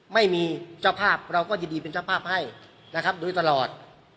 ไม่มีเจ้าภาพเราก็ยินดีเป็นเจ้าภาพให้นะครับโดยตลอด